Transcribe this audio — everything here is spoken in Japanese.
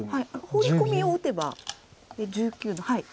ホウリ込みを打てば１９のはい。